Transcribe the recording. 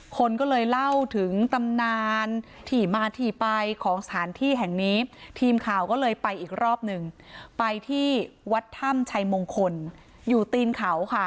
คนก็เลยเล่าถึงตำนานที่มาที่ไปของสถานที่แห่งนี้ทีมข่าวก็เลยไปอีกรอบหนึ่งไปที่วัดถ้ำชัยมงคลอยู่ตีนเขาค่ะ